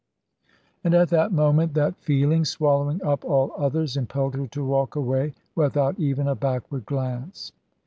And at the moment, that feeling, swallowing up all others, impelled her to walk away, without even a backward glance.